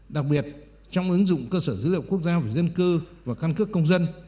đặc biệt trong ứng dụng cơ sở dữ liệu quốc gia về dân cư và căn cước công dân